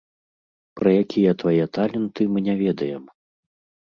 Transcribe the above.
Пра якія твае таленты мы не ведаем?